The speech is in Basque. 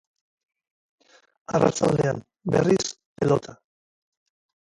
Arratsaldean, berriz, pelota.